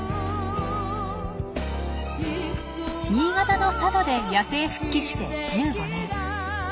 新潟の佐渡で野生復帰して１５年。